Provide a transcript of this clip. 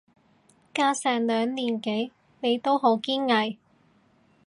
隔成兩年幾你都好堅毅